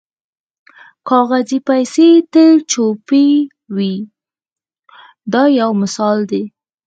کاغذي پیسې تل چوپې وي دا یو مثال دی.